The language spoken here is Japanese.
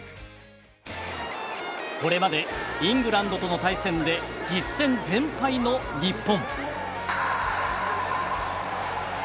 これまでイングランドとの対戦で１０戦全敗の日本。